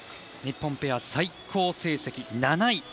日本ペア最高成績７位。